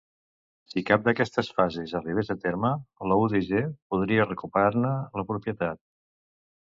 Si cap d'aquestes fases arribés a terme, la UdG podria recuperar-ne la propietat.